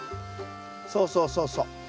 そうそうそうそう。